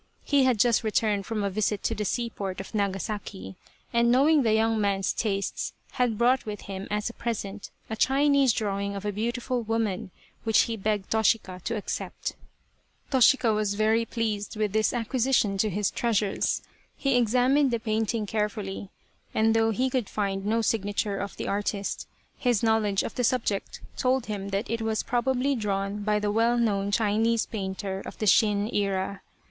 He had just returned from a visit to the seaport of Nagasaki and knowing the young man's tastes had 121 The Lady of the Picture brought with him, as a present, a Chinese drawing of a beautiful woman, which he begged Toshika to accept. Toshika was very pleased with this acquisition to his treasures. He examined the painting carefully, and though he could find no signature of the artist, his knowledge of the subject told him that it was probably drawn by the well known Chinese painter of the Shin era.